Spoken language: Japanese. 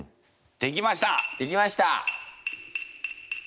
できました！